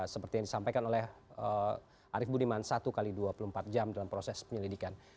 seperti yang disampaikan oleh arief budiman satu x dua puluh empat jam dalam proses penyelidikan